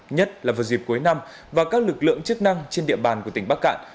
nhất là vào dịp cuối năm và các lực lượng chức năng trên địa bàn của tỉnh bắc cạn